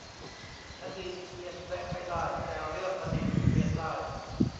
อดีตเปลี่ยนแปลงไม่ได้ แต่ 'เรื่องอดีต' เปลี่ยนได้